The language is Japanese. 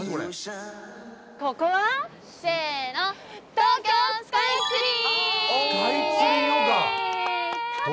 ここは？せーの、東京スカイツリー！